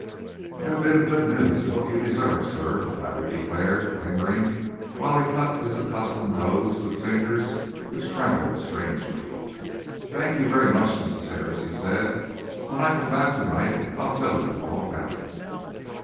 "And a bit of good news is what you deserve, sir," the latter declared, lingering while he cut his accustomed rose with fingers which trembled strangely. "Thank you very much, Mrs. Harris," he said. "When I come back to night, I'll tell you all about it."